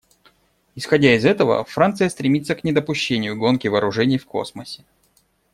Исходя из этого, Франция стремится к недопущению гонки вооружений в космосе.